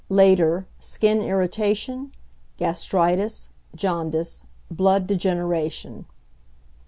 Later, skin irritation, gastritis, jaundice, blood degeneration.